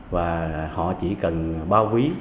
và họ chỉ cần bao quý